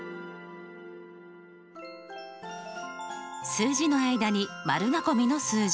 数字の間に丸囲みの数字。